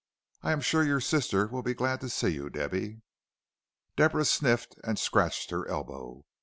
"I am sure your sister will be glad to see you, Debby." Deborah sniffed and scratched her elbow.